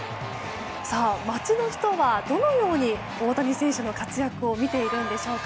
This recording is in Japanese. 街の人はどのように大谷選手の活躍を見ているんでしょうか。